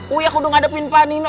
wia kudu ngadepin pak nino